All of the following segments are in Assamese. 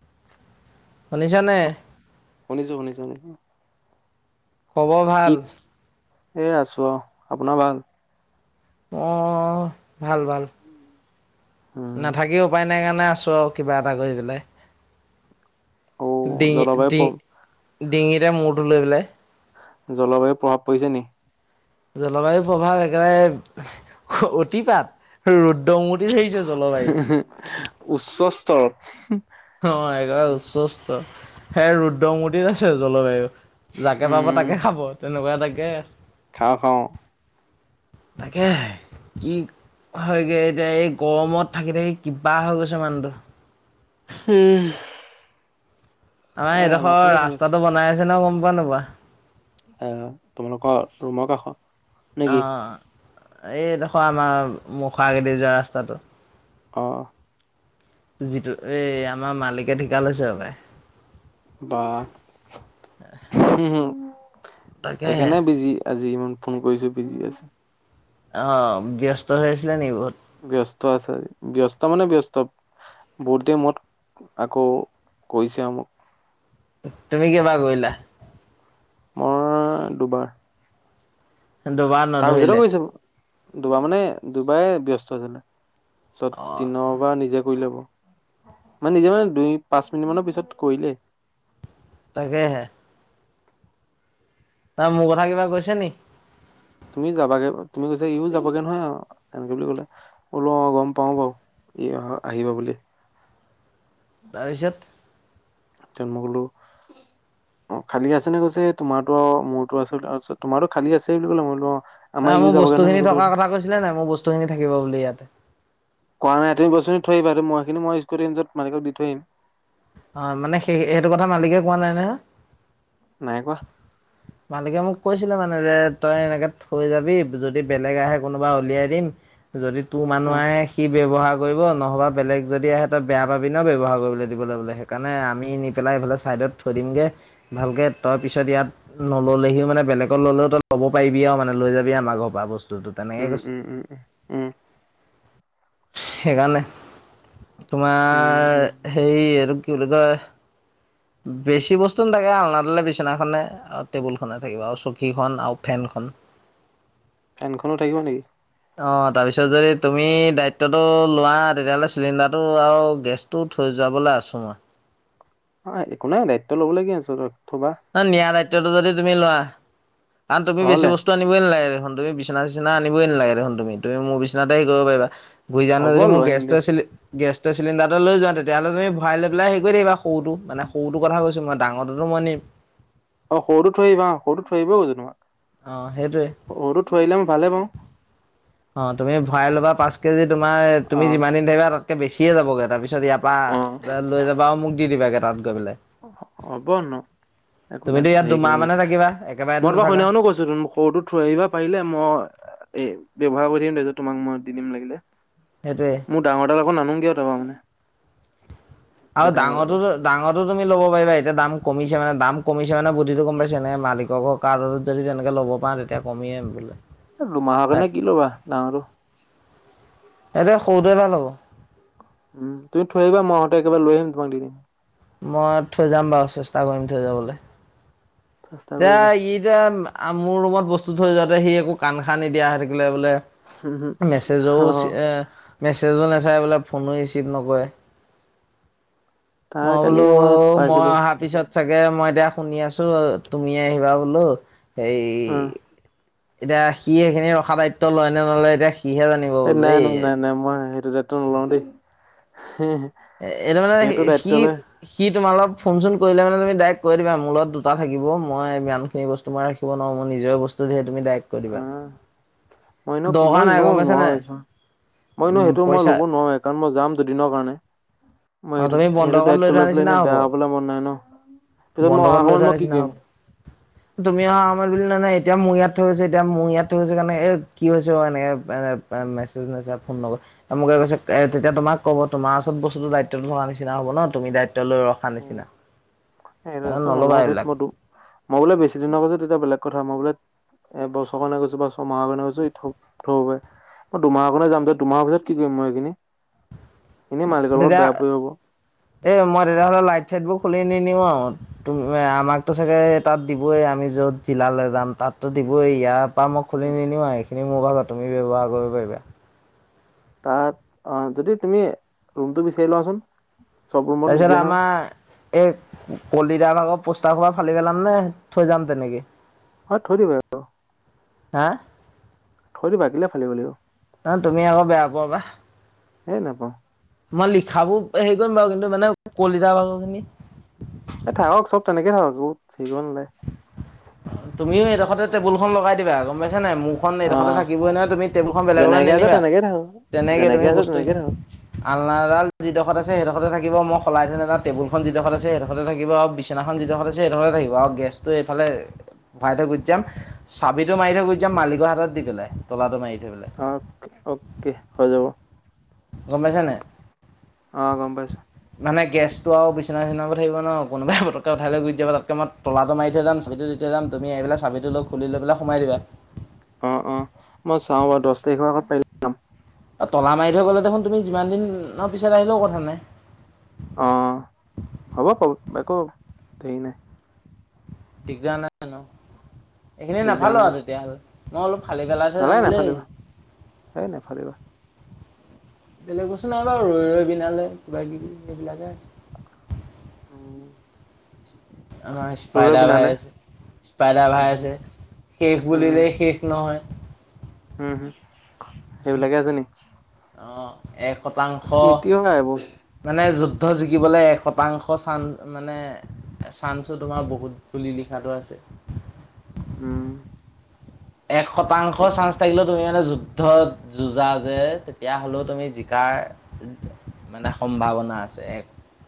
[unintelligible] শুনিছা নে? শুনিছো শুনিছো শুনিছো। খবৰ কি ভাল এ আছো আও আপোনাৰ ভাল। অ ভাল ভাল উম নাথাকি উপায় না ই কাৰণে আছো আৰু কিবা এটা কৰি পেলাই অ ডিঙি জলবায়ু ডি প্ৰ ডিঙিৰে মুৰটো লৈ পেলাই জলবায়ু প্ৰভাৱ পৰিছে নি জলবায়ুৰ প্ৰভাৱ একেবাৰে অতিপাত ৰুদ্ৰমূৰ্তি ধৰিছে জলবায়ুয়ে ত অঁ এঘাত উস্বস্ত এ ৰুদ্ৰমূতিত আছে জলবায়ু যাকে পাব উম তাকে খাব তেনেকোৱা এটাকে আছে খাওঁ খাওঁ তাকে কি হয়গে এতিয়া এই গৰমত থাকি থাকি কিবা হৈ গৈছে মানুহটো হম আমাৰ এইডোখৰ ৰাস্তাটো বনাই আছে ন গম পোৱা নে নোপোৱা। অহ তোমালোকৰ ৰুমৰ কাষত নে কি এইদখ আমাৰ মুখৰ আগেদি যোৱা ৰাস্তাটো অ যিটো এই আমাৰ মালিকে ঠিকা লৈছে হপাই বা তাকেহে। সেইকাৰণে বিজি আ আজি ইমান ফোন কৰিছো বিজি আছে অ ব্যস্ত হৈ আছিলে নেকি বহুত ব্যস্ত আছে ব্যস্ত মানে ব্যস্ত বহুত দেৰি মোৰত আকৌ কৰিছে আৰু মোক। তুমি কেইবাৰ কৰিলা মই দুবাৰ দুবাৰ তাৰ পিছতে নধৰিলে কৰিছে দুবাৰ মানে দুবাৰে ব্যস্ত হৈছিলে অ পিছত দিনৰবাৰ নিজে কৰিলে বাও মানে নিজে মানে দুই পাঁচ মিনিট মানৰ পিছত কৰিলে তাকেহে তাৰ মোৰ কথা কিবা কৈছে নি তুমি যাবাগে তুমি কৈছা ইও যাবাগে নহয় এনেকে বুলি কলে উম অ গম পাও বাৰু। এ অ আহিব বুলি তাৰপিছত যে মই কলো অঁ খালী আছে নে কৈছে তোমাৰটো আৰু মোৰতো আছে তোমাৰতো খালী আছে বুলি কলে মোৰটো অ আমাৰ নাই ইও মোৰ যাবগে বস্তু নহয় খিনি এনেকে বুলি ক'লে থকাৰ কথা কৈছিলে নাই মোৰ বস্তু খিনি থাকিব বুলি ইয়াত কোৱা নাই তুমি বস্তুখিনি থৈ আহিবা আৰু মই খিনি মই স্কুটিত নি মালিকক দি থৈ আহিম অ মানে সেই সেইটো কথা মালিকে কোৱা নাই না নাই কোৱা মালিকে মোক কৈ কৈছিলে মানে যে তই এনেকে থৈ যাবি যদি বেলেগ আহে কোনোবা উলিয়াই দিম যদি তোৰ অ মানুহ আহে সি ব্যৱহাৰ কৰিব নহবা বেলেগ যদি আহে তই বেয়া পাবি ন ব্যৱহাৰ কৰিবলৈ দিবলে বোলে সে কাৰণে আমি নি পেলাই এইফালে ছাইডত থৈ দিমগৈ ভালকে তই পিছত ইয়াত নল'লেহি মানে বেলেগক ললেও ত লব পাৰিবি আও মানে লৈ যাবি আম ঘৰৰ পৰা ব তোৰতো তেনেকেই উম কৈছ উম উম উম উম সেইকাৰণে উম তোমাৰ সেই এইটো কি বুলি কয়। বেছি বস্তু নথাকে আলনাডালে বিচনাখনে টেবুল খনে থাকিব আৰু চকীখনন আৰু ফেনখনন ফেনখনো থাকিব নেকি অ তাৰপিছত যদি তুমি দায়িত্বটো লোৱা, তেতিয়াহ'লে চিলিণ্ডাৰটো আৰু গেছটো থৈ যাবলৈ আছো মই অঁ একো নাই দায়িত্ব ল'বলীয়া হৈছেটো ন নিয়া দায়িত্বটো যদি তুমি লৱা, কাৰণ তুমি বেছি ঘৰলে বস্তু আনিবই নালাগে। দেখোন তুমি বিচনা চিচনা আনিব‌ই নালাগে দেখোন তুমি, তুমি মোৰ বিচনাতে হেৰি কৰিব পাৰিবা। বুজি জান না হ'ব যদি মোৰ লৈ আহিম গেছটো দে আছিলে গেছ চিলিণ্ডাৰ এ লৈ যোৱা, তেতিয়াহ'লে তুমি ভৰাই লৈ পেলাই হে কৰি থাকিবা, সৰুটো মানে সৰুটো কথা কৈছো মই ডাঙৰটো [unintelligible] অ সৰুটো থৈ আহিবা অ সৰুটো থৈ আহিব কৈছোঁ অ', সেইটোৱে। তোমাক। সৰুটো থৈ আহিলে মই ভালে পাওঁ। অ তুমি ভৰাই ল'বা পাঁচ কেজিত। তোমাৰ তুমি যিমান দিন থাকিবা তাতকে বেছিয়ে যাবগে, তাৰপিছত ইয়াৰ পৰা অ লৈ যাবা আৰু মোক দি দিবাগে। তাত গৈ পেলাই। হ'ব নো তুমিতো ইয়াত দুমাহ মানে থাকিবা? একেবাৰেতো মই তোমাক নাথাকা সেনাখনো কৈছো ত সৰুটো থৈ আহিবা পাৰিলে মই এ ব্যৱহাৰ কৰি থাকিম তাৰপিছত তোমাক মই দি দিম লাগিলে। সেইটোৱে মোৰ ডাঙৰ ডাল আক নানোগে আৰু তাৰপা মানে। আৰু জেঠাই ল'ৰাৰ পৰা দাঙৰটোটো ডাঙৰটো তুমি ল'ব পাৰিবা, এতিয়া দাম কমিছে মানে দাম কমিছে। পিছে মানে বুদ্ধিটো গম পাইছে নে মালিকৰ কাৰ্ডত যদি তেনেকে ল'ব পাৰ তেতিয়া কমিয়ে বোলে। দুমাহৰ কাৰণে কি ল'বা ডাঙৰটো এইটোৱে সৰুটোৱে ভাল হ'ব। উম তুমি থৈ আহিবা মই আহোঁতে একেবাৰে লৈ আহিম তোমাক দি দিম। মই থৈ যাম বাৰু চেষ্টা কৰিম থৈ যাবলে। চেষ্টা এতিয়া কৰিবা ই এতিয়া মোৰ ৰুমত বস্তু থৈ যোৱাটো সি একো কাণ খান নিদিয়া হৈ থাকে বোলে, মেছেজওঁ অহ এ মেছেজওঁ নাচাই বোলে ফোনো ৰিচিভ নকৰে। তাৰ মই কালি বোলো মই মই পাইছিলো অহাৰ পিছত চাগে মই এতিয়া শুনি আছো তুমি আহিবা বোলো হেই অ এতিয়া সি এইখিনি ৰখা দায়িত্ব লয় নে নলয় এতিয়া? সিহে জানিব এই বোলো নাই দেই নাই নাই নাই মই সেইটো দায়িত্ব নলও দেই। এ এইটো মানে সেইটো শি দায়িত্ব লৈ শিত তোমাৰ অপ ফোন চোন কৰিলে মানে তুমি ডাইৰেক্ট কৈ দিবা মোৰ লগত দুটা থাকিব মই ইমানখিনি বস্তু মই ৰাখিব নোৱাৰো নিজৰ বস্তুহে তুমি ডাইৰেক্ট কৰি অ দিবা মই দৰকাৰ মই নাই নো গম পাইছা নাই নোৱাৰো চুন। মই উম সেইটো মই পইচা ল'ব নোৱাৰো কাৰণ মই যাম। দুদিনৰ কাৰণে, অ মই সেইটো তুমি সেইটো বন্ধকত দায়িত্ব থোৱা লৈ পেলাই নিচিনা এনেই হব বেয়া হ'বলৈ মন নাই ন। পিছত মই অহা বন্ধকত লৈ সময়ত থোৱা মই কি নিচিনা কৰিম হ'ব তুমি অহা আমাৰ বুলি ন নাই এতিয়া মোৰ ইয়াত থৈ গৈছে এতিয়া মোৰ ইয়াত থৈ গৈছে কাৰণে এই কি হৈছে এনেকৈ মেছেজ নাচাই ফোন নকৰে মোকে কৈছে এ তেতিয়া তোমাক ক'ব তোমাৰ ওচৰত বস্তুটো দায়িত্বতটো থকা নিচিনা হব ন তুমি দায়িত্ব লৈ ৰখা নিচিনা। এ সেইকাৰণে নল'বা নলও থেত ত এইবিলাক মই মই বোলে বেছি দিনৰ পছত এতিয়া বেলেগ কথা, মই বোলে এ বছৰ কাৰণে গৈছো বা ছয়মাহৰ কাৰণে গৈছো থ থব পাৰি। মই দুমাহ কাৰনে যাম যে দুমাহ পাছত কি কৰিম মই এইখিনি? এনেই মালিকৰ লগত তেতিয়া বেয়া পৰি হ'ব এ মই তেতিয়া হ'লে লাইট চাইট বোৰ খুলি নিনিয়ো আৰু তুমি আমাকতো চাগে তাত দিবই, আমি য'ত জিলালে যাম তাততো দিবই। ইয়াৰ পৰা মই খুলি নিনিও আ। এইখিনি মোৰ ভাগ তুমি ব্যৱহাৰ কৰিব পাৰিবা। তাত অ যদি তুমি ৰুমটো বিচাৰি লোৱাচোন। চব ৰুমত তাৰপিছত নিদিয়ে নহয় আমাৰ এই কলিতা ভাগত পোষ্টাৰ হুপাহ ফালি পেলাম নে থৈ যাম তেনেকে? হ থৈ দিবা আৰু। হা থৈ দিবা কেলে ফালিব লাগিব। অ তুমি আকৌ বেয়া পোৱা বা, হেই নাপাওঁ মই লিখাবোৰ হেৰি কৰিম বাৰু কিন্তু মানে কলিতা ভাগ খিনি। এই থাকক চব তেনেকে থাকক, একো হেৰি কৰিব নালাগে। এডোখতে টেবুলখন লগাই দিবা গম পাইছ নে মোৰখন অ এডোখতেই নহ তুমি টেবুলখন বেলেগৰলে যেনেকে আছে নিনিবা। তেনেকে থাকক তেনেকে তুমি যেনেকে আছে তেনেকে বস্তুখিনি থাকক আলনাডাল যিদখৰত আছে সেইদখৰতে থাকিব ম সলাই থৈ নাযাওঁ টেুবুলখন জিদখত আছে হেইদখতে থাকিব আৰু বিচনাখন যিদখত আছে সেইদখত থাকিব, আৰু গেছ বস্তু এইফালে উফাই থৈ গুচি যাম চাবিটো মাৰি থৈ গুচি যাম মালিকৰ হাতত দি পেলাই তলাটো মাৰি থৈ পেলাই অ অকে হৈ যাব। গম পাইছানে অ গম পাইছো মানে গেছটো আৰু বিচনা চিছনা বোৰ থাকিব ন কোনবাই পটকৈ উঠাই গুচি যাব তাতকৈ মই তলাটো মাৰি থৈ যাম চাবিটো দি থৈ যাম। তুমি আহ পেলাই চাবিটো লগ খুলি লৈ পেলাই সোমাই দিবা। অ অ মই চাওঁ বাৰু দচ তাৰিখৰ আগত পাৰিলে যাম আৰু তলা মাৰি থৈ গ'লে দেখোন তুমি যিমান দিনৰ পিছত আহিলেও কথা নাই। অ হব প বক হেই নাই দিগদাৰ নাই ন এইখিনি দিগদাৰ নেফাঁলো নাই আও তেতিয়াহ'লে মই অলপ খালি পেলাই থৈ নালাগে যাম বুলি নাফালিবা হেই ভাবি নাফালিবা বেলেগ বস্তু নাই বাৰু ৰৈ ৰৈ বিনালৈ কিবা কিবি এইবিলাকে আছে। উম। আমাৰ ৰৈ স্পাইডাৰ ভাই বিনালে আছে, স্পাইডাৰ ভাই উম আছে। শেষ উম বুলিলে শেষ নহয়। উ সেইবিলাকে আছে নি অ এক শতাংশ স্মৃতি হয় এইবোৰ মানে যত যুদ্ধ জিকিবলৈ এক শতাংশ চান মানে চান্সো তোমাৰ বহুত বুলি লিখাটো আছে। উম এক শতাংশ ঠিকেই চান্স থাকিলেও তুমি মানে জো যুদ্ধ যুজা যে তেতিয়া হ'লেও তুমি জিকাৰ মানে সম্ভাৱনা আছে এক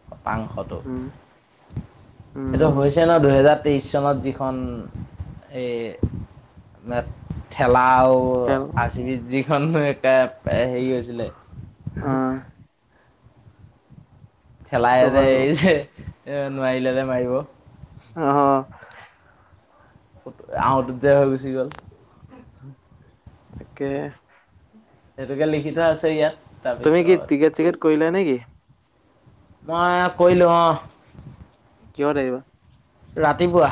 শতাংশটো উম এইটো উম হৈছে ন দুহেজাৰ। তেইশ চনত যিখন, এ ঠেলা। আউ খেল আচি যিখন হয় এ হেৰি হৈছিলে। অ ঠেলাই সেইটো যে হয় বাৰু এই যে এ নোৱাৰিলে যে মাৰিব। আহ ফটো আউটঅত যে হৈ গুচি গ'ল। তাকে। সেইটোকে লিখি থোৱা আছে ইয়াত তুমি কি তাৰপিছত টিকেট চিকেট কৰিলা নেকি? মই কৰিলো অঁ। কিহত আহিবা? ৰাতিপুৱা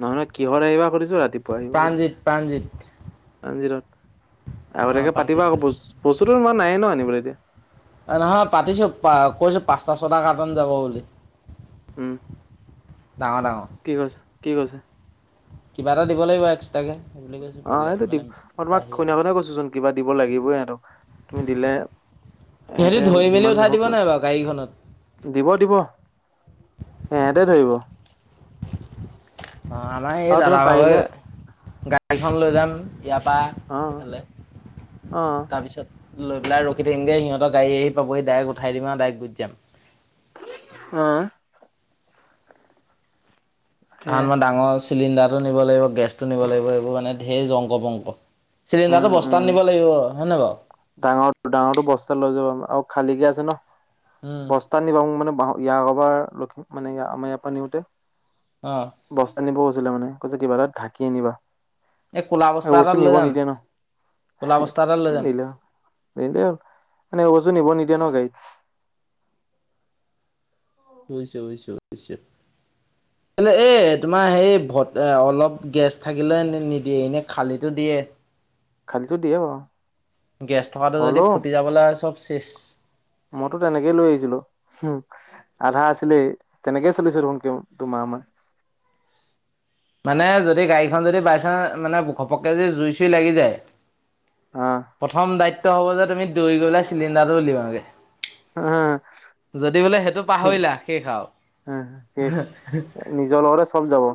নহয় নহয় কিহত আহিবা সুধিছোঁ ৰাতি প্ৰাণজিত প্ৰাণজিত। অ আগতীয়াকে পাতিব প্ৰাণজিত আকৌ ব ভাইচোন বস্তুতো ইমান নায়েই ন আনিবলৈ এতিয়া। নহয় পাতিছো প কৈছো পাঁচটা ছটা কাৰ্টুন যাব বুলি। উম ডাঙৰ ডাঙৰ কি কৈছে কি কৈছে? কিবা এটা দিব লাগিব এক অ এইটো দিব তোমাক বাহিৰতে কৈছো চোন কিবা দিব লাগিবই। তুমি দিলে সিহঁতি এহেতে ধৰি মেলি যিমান উঠাই নহক দিব লৈ নাই বাৰু গাড়ীখনত দিব দিব সিহতে ধৰিব। অ আমাৰ এই আৰু দাদা তুমি ভাগৰ পাৰিলে গাড়ীখন লৈ যাম ইয়াৰ অ পৰা সেফালে অ তাৰপিছত লৈ পেলাই ৰখি থাকিমগে সিহঁত গাড়ী আহি পাবহি ডাইৰেক উঠাই দিম আৰু ডাইৰেক গুচি যাম। আহ। আৰু সেয়া আমাৰ ডাঙৰ চিলিণ্ডাৰটো নিব লাগিব, গেছটো নিব লাগিব এইবোৰ মানে সেই জংক পংক। উম চিলিণ্ডাৰটো উম বস্তাত নিব লাগিব হয় নে বাৰু? ডাঙৰ ডাঙৰটো বস্তা লৈ যাব আৰু খালীকে আছে ন। উম। বস্তা নিবা মোক মানে ইয় আবাৰ লখিম মানে আমাৰ ইয়াৰ পৰা নিওঁতে। অঁ বস্তা নিবও কৈছিলে মানে, কৈছে কিবা এটাত ঢাকি আনিবা। এই ক'লা বস্তা এই এটাত বস্তু লৈ নিব যাম নিদিয়ে ন, ক'লা হে বস্তা এটাত লৈ কি যাম। নিলো। নিলেই হ'ল, এইবোৰ বস্তু নিব নিদিয়ে ন গাড়ীত। হৈছে হৈছে হৈছে। [inaudible] এ তোমাৰ সেই ভত অলপ গেছ থাকিলে নিদিয়ে এনে খালিটো দিয়ে। খালিতো দিয়ে বাৰু গেছ থকাটো যদি হ'লেও ফুটি যাবলৈ হয় চব চেছ। মইতো তেনেকেই লৈ আহিছিলো, উম আধা আছিলেই তেনেকেই চলিছো দেখোন ক তোমাৰ আমাৰ। মানে যদি গাড়ীখন যদি বাই চানস মানে ঘপককে যদি জুই চুই লাগি যায় অ প্ৰথম দায়িত্ব হ'ব যে তুমি দৈ গলে চিলিণ্ডাৰটো উলিয়াও গে। যদি বোলে সেইটো পাহৰিলা শেষ আৰু। হ, নিজৰ লগতে চব যাব।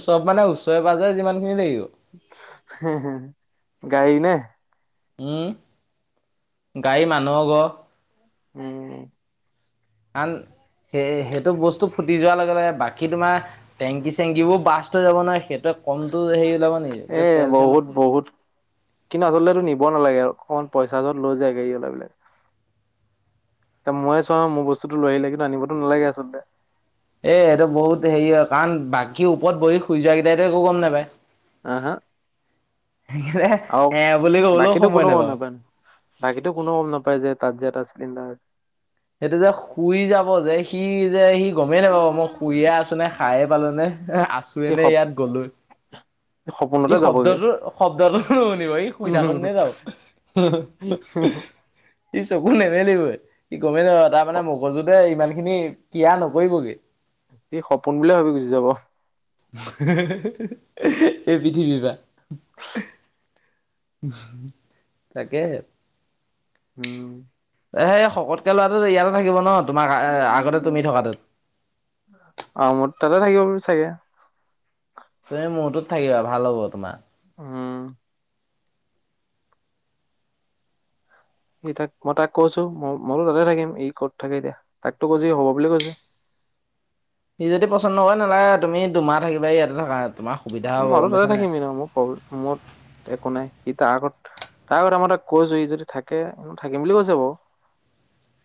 চব মানে ওচৰে পাজৰে যিমান খিনি লাগিব। হে হে হে গাড়ী নে? উম, গাড়ী মানুহৰ ঘৰ। উম। আন সেই সেইটো বস্তু ফুটি যোৱাৰ লগে লগে বাকী তোমাৰ টেংকি চেংকীবোৰ ব্লাস্ত হৈ যাব নহয়। সেইটো এ বহুত ওপৰি বহুত, কিন্তু আচলতে নিব নালাগে আৰু অকমান পইচা যত লৈ যায় গাড়ীও লাগিলে। এ ময়ে চোৱা মোৰ বস্তুটো লৈ আহিলে কিন্তু আনিবতো নালাগে আচলতে। এ এইটো বহুত হেৰি হয় কাৰণ বাকী ওপৰত বহি শুই যোৱা কেইটাইটো একো গম নাপায়। আহ হা সেইকাৰণে আৰু এ বুলি ক'বলৈও বাকীটো সময় কোনো গম নাপাওঁ। নাপায় ন। বাকীতো কোনো গম নাপায় যে তাত যে এটা চিলিণ্ডাৰ সেইটো যে শুই যাব যে সি যে সি গমেই নাপাব মই শুয়ে আছো নে খায়ে পালো নে আছোয়ে এই নে সপ ইয়াত গলো? ই সপোনতে যাবগে। শব্দটোৰ শব্দটো নুশুনিব ই শুই থাকোঁতেই যাব, হি হি হি হি। সি চকু নেমেলিবই। কি গমেই নাপাই তাৰ মানে মগজুতে ইমানখিনি কিয়াৰ নকৰিবগে। সপোন বুলিয়ে ভাবি গুচি যাব। হি হি হি হি হি এই পৃথিৱী পৰা। তাকে। উম। এ শকতকে ল'ৰাটো ইয়াতে থাকিব ন? তোমাক আগতে তুমি থকাটোত? অ মোৰ তাতে থাকিব চাগে তুমি মূৰটোত থাকিবা ভাল হ'ব তোমাৰ। উম। সে তাক মই তাক কৈছো ম মইটো তাতে থাকিম ই ক'ত থাকে এতিয়া, তাকতো কৈছো হ'ব বুলি কৈছে। [inaudible] সি যদি পচন্দ কৰে নহলে তুমি দুমাহ থাকিবা ইয়াতে থাকা। তোমাৰ সুবিধা হ'ব উম গম বাৰু তাতে পাইছা নাই থাকিম ন [inaudible] মোৰ মত একো নাই সি তাৰ আগত তাৰ কথা মতে কৈছো ই যদি থাকে, থাকিম বুলি কৈছে বাৰু।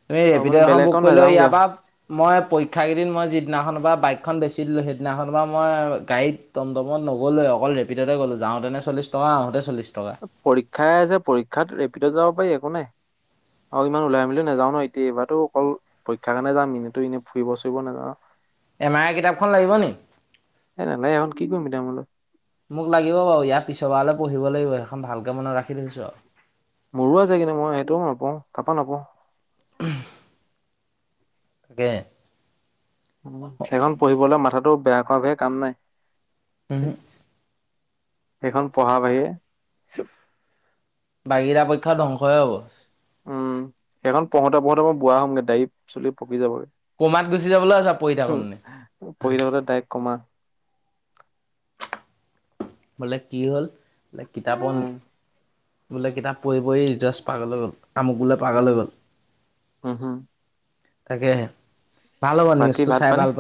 তুমি আৰু মানে ৰেপিডৰ এখন বেলেগত বুক কৰিলোৱা নাযাওঁগে ইয়াৰ আও। পৰা মই পৰীক্ষা কেইদিন মই যিদিনাখনৰ পৰা- বাইকখন বেছি দিলোঁ সেইদিনাখন পা মই গাড়ীত টমটমত নগলুৱে অকল ৰেপিডতে গ'লোঁ যাওঁতেনে চলি টকা আহোতে চল্লিশ পৰীক্ষাই আছে পৰীক্ষাত ৰেপিডত যাব পাৰি একো নাই। অ ইমান ওলাই মেলি নাযাও ন এতিয়া এইবাৰো অকল পৰীক্ষাৰ কাৰণে যাম এনেতো এনেই ফুৰিব চুৰিব নাযাওঁ। এমাই কিতাপখন লাগিব নি এ নালাগে এখন কি কৰিম এতিয়া বোলো মোক লাগিব বাও ইয়াৰ পিছবাৰলে পঢ়িব লাগিব আৰু খন ভালকে মনত ৰাখি থৈছো আউ মৰুা যায় কিনে মই সেইটোও নাপাওঁ তাপা নাপাওঁ। উ তাকে সেইখন পঢ়িবলৈ মাথাটো বেয়া খ ভে কাম নাই। উহু সেইখন পঢ়া বাহিৰে বাকী কেইটা পক্ষৰ ধ্বংসই হ'ব। উম সেইখন পঢ়োতে পঢ়োতে মই বোৱা হ'মগৈ দা়ড়ি চুলি পকি যাবগৈ। কমাত গুচি যাবলৈ আছে পঢ়ি থাকোঁতে পঢ়ি থাকোতে তাইক কমা। বোলে কি হ'ল বোলে কিতাপত- উম বোলে কিতাপ পঢি পঢ়ি ৰিজছ পাগল হৈ গ'ল আমুক বোলে পাগল উম গ'ল, উম হম তাকেহে ভাল হ'ব নিউজ বাকী তটো ভাত চাই পানী ভাল পা